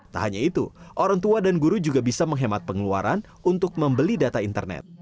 tak hanya itu orang tua dan guru juga bisa menghemat pengeluaran untuk membeli data internet